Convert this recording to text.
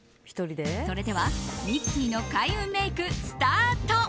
それではミキティの開運メイクスタート！